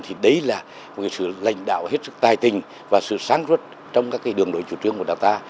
thì đấy là một sự lãnh đạo hết sức tài tình và sự sáng suốt trong các đường lối chủ trương của đảng ta